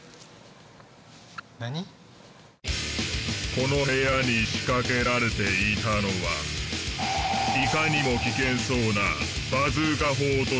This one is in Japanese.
この部屋に仕掛けられていたのはいかにも危険そうなバズーカ砲と時限装置。